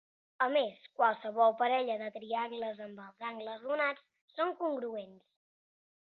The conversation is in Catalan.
A més, qualsevol parella de triangles amb els angles donats són congruents.